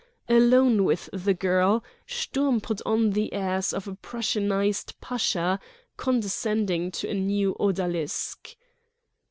Alone with the girl, Sturm put on the airs of a Prussianized pasha condescending to a new odalisque.